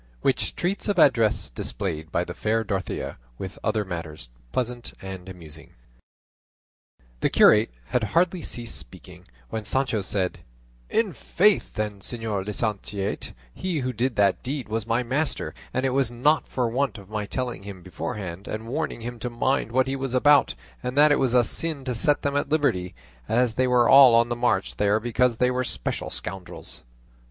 WHICH TREATS OF ADDRESS DISPLAYED BY THE FAIR DOROTHEA, WITH OTHER MATTERS PLEASANT AND AMUSING The curate had hardly ceased speaking, when Sancho said, "In faith, then, señor licentiate, he who did that deed was my master; and it was not for want of my telling him beforehand and warning him to mind what he was about, and that it was a sin to set them at liberty, as they were all on the march there because they were special scoundrels."